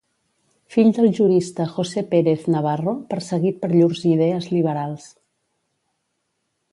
Fill del jurista José Pérez Navarro, perseguit per llurs idees liberals.